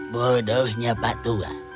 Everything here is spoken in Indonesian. bodohnya pak tua